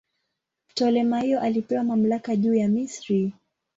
Ptolemaio alipewa mamlaka juu ya Misri.